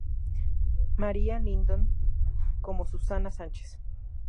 María Lidón como Susana Sánchez.